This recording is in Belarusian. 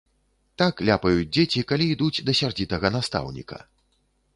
Так ляпаюць дзеці, калі ідуць да сярдзітага настаўніка.